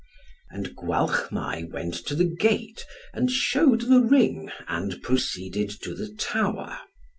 And Gwalchmai went to the gate, and shewed the ring, and proceeded to the tower.